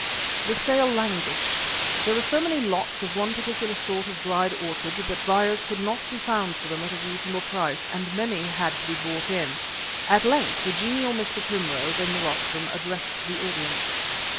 The sale languished. There were so many lots of one particular sort of dried orchid that buyers could not be found for them at a reasonable price, and many had to be bought in. At length the genial Mr. Primrose in the rostrum addressed the audience.